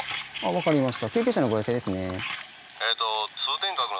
分かりました。